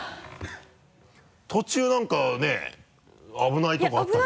途中何かね危ないとこあったけどね。